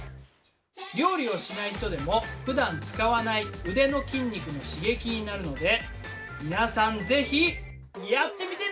料理をしない人でもふだん使わない腕の筋肉の刺激になるので皆さんぜひやってみてね！